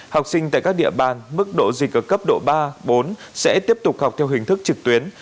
học sinh tại các địa bàn mức độ dịch ở cấp độ ba bốn sẽ tiếp tục học theo hình thức trực tuyến